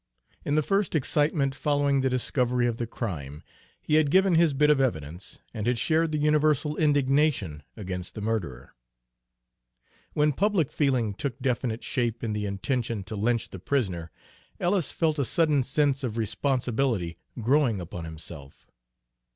In the first excitement following the discovery of the crime, he had given his bit of evidence, and had shared the universal indignation against the murderer. When public feeling took definite shape in the intention to lynch the prisoner, Ellis felt a sudden sense of responsibility growing upon himself.